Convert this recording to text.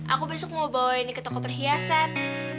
aku besok mau bawa ini ke toko perhiasan